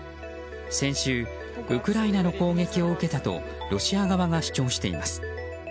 先週ウクライナの攻撃を受けたとロシア側が主張しています。